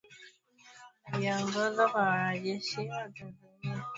Yaliyoongozwa na wanajeshi wa Tanzania, Malawi, Jamhuri ya kidemokrasia ya Kongo na Afrika kusini.